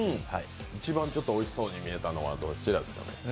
一番おいしそうに見えたのはどちらですか？